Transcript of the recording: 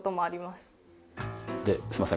すいません